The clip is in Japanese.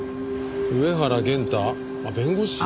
上原弦太弁護士？